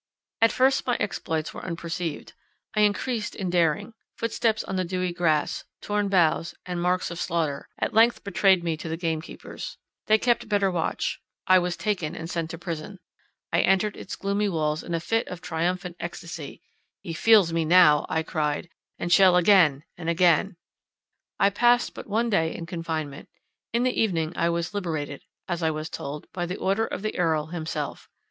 At first my exploits were unperceived; I increased in daring; footsteps on the dewy grass, torn boughs, and marks of slaughter, at length betrayed me to the game keepers. They kept better watch; I was taken, and sent to prison. I entered its gloomy walls in a fit of triumphant extasy: "He feels me now," I cried, "and shall, again and again!"—I passed but one day in confinement; in the evening I was liberated, as I was told, by the order of the Earl himself.